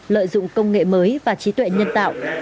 lợi dụng công nghệ mới và trí tuệ nhân tạo